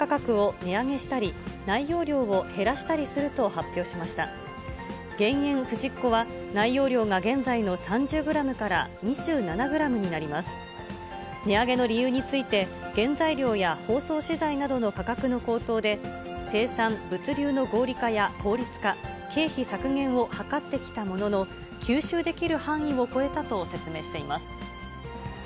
値上げの理由について、原材料や包装資材などの価格の高騰で、生産・物流の合理化や、効率化、経費削減を図ってきたものの、吸収できる範囲を超えたと説明しています。